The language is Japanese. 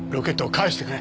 返してくれ！